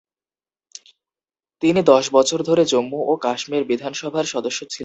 তিনি দশ বছর ধরে জম্মু ও কাশ্মীর বিধানসভার সদস্য ছিলেন।